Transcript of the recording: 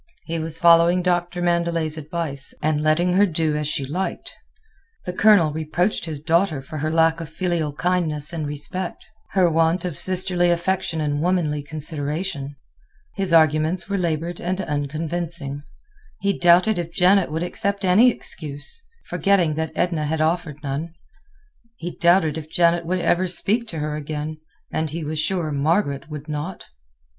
He was following Doctor Mandelet's advice, and letting her do as she liked. The Colonel reproached his daughter for her lack of filial kindness and respect, her want of sisterly affection and womanly consideration. His arguments were labored and unconvincing. He doubted if Janet would accept any excuse—forgetting that Edna had offered none. He doubted if Janet would ever speak to her again, and he was sure Margaret would not.